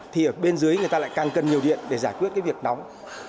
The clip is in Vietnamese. thì ở bên dưới người ta lại càng cần nhiều điện để giải quyết cái việc nóng